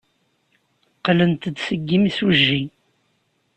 Qqlent-d seg yimsujji.